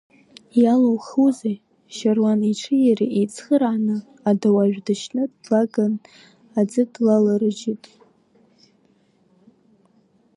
Иалоухузи, Шьаруан иҽи иареи еицхырааны, адауажә дышьны длаган аӡы длаларыжьит.